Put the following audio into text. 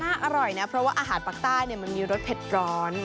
อร่อยนะเพราะว่าอาหารปากใต้มันมีรสเผ็ดร้อน